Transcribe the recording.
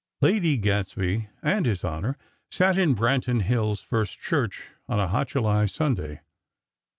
_" XLII Lady Gadsby and His Honor sat in Branton Hills' First Church, on a hot July Sunday.